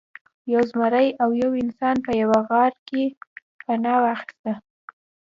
یو زمری او یو انسان په یوه غار کې پناه واخیسته.